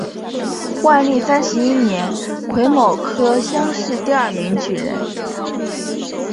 万历三十一年癸卯科乡试第二名举人。